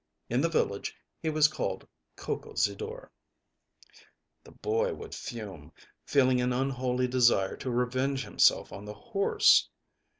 In the village he was called Coco Zidore. The boy would fume, feeling an unholy desire to revenge himself on the horse.